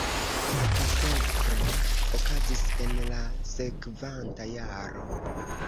La konsekro okazis en la sekvanta jaro.